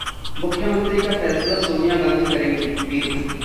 मुख्यमंत्री का फैसला सोनिया गांधी करेंगी: वीरभद्र